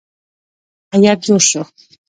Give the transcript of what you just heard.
هیات جوړ شو.